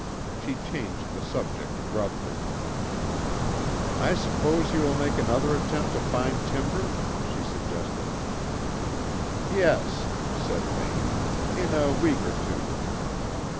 She changed the subject abruptly. "I suppose you will make another attempt to find timber?" she suggested. "Yes," said Vane. "In a week or two."